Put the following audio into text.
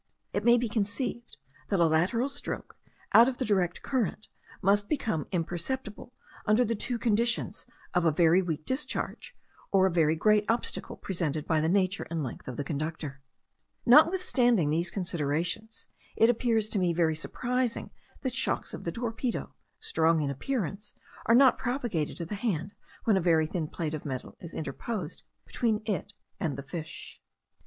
It may be conceived that a lateral stroke, out of the direct current, must become imperceptible under the two conditions of a very weak discharge, or a very great obstacle presented by the nature and length of the conductor. Notwithstanding these considerations, it appears to me very surprising that shocks of the torpedo, strong in appearance, are not propagated to the hand when a very thin plate of metal is interposed between it and the fish.